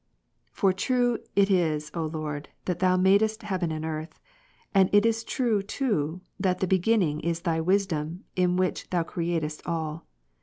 For true it is, O Lord, that Thou madest heaven and earth ; and it is true too, that the Beginning is Thy Wisdom, in Which Thou createdst all